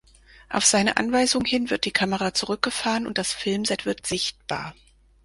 Auf seine Anweisung hin wird die Kamera zurückgefahren und das Filmset wird sichtbar.